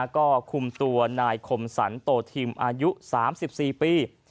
ก็คุมตัวนายคมสรรโตทิมอายุ๓๔ปี